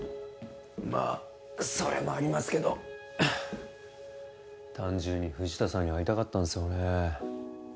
まあそれもありますけど単純に藤田さんに会いたかったんすよね。